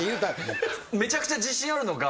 めちゃくちゃ自信あるのが。